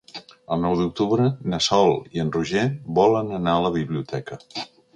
El nou d'octubre na Sol i en Roger volen anar a la biblioteca.